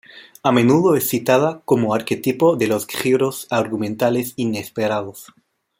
A menudo es citada como arquetipo de los giros argumentales inesperados.